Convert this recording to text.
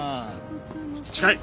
近い！